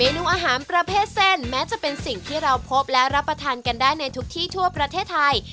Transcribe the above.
นูอาหารประเภทเส้นแม้จะเป็นสิ่งที่เราพบและรับประทานกันได้ในทุกที่ทั่วประเทศไทย